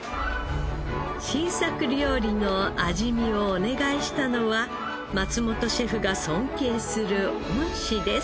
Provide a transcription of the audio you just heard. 新作料理の味見をお願いしたのは松本シェフが尊敬する恩師です。